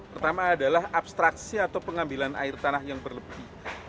pertama adalah abstraksi atau pengambilan air tanah yang berlebih